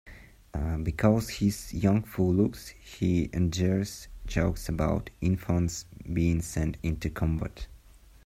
Because of his youthful looks, he endures jokes about "infants" being sent into combat.